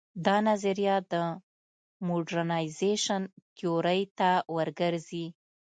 دا نظریه د موډرنیزېشن تیورۍ ته ور ګرځي.